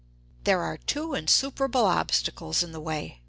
There are two insuperable obstacles in the way.